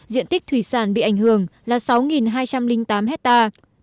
diện tích thủy sản bị ảnh hưởng là sáu hai trăm linh tám hectare